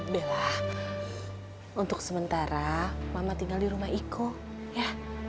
bella untuk sementara mama tinggal di rumah iko ya